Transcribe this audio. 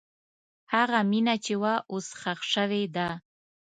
هغه مینه چې وه، اوس ښخ شوې ده.